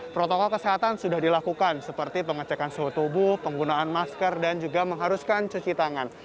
protokol kesehatan sudah dilakukan seperti pengecekan suhu tubuh penggunaan masker dan juga mengharuskan cuci tangan